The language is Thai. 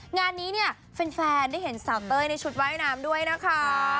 งานนี้เนี่ยแฟนได้เห็นสาวเต้ยในชุดว่ายน้ำด้วยนะคะ